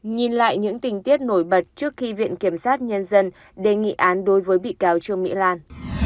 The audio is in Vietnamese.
nhìn lại những tình tiết nổi bật trước khi viện kiểm sát nhân dân đề nghị án đối với bị cáo trương mỹ lan